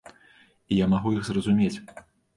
І я магу іх зразумець.